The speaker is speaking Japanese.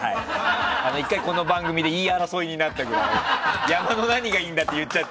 １回、この番組で言い争いになったぐらい山の何がいいんだって言っちゃって。